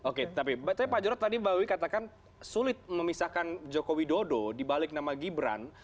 oke tapi pak jorod tadi bahwa katakan sulit memisahkan jokowi dodo dibalik nama gibran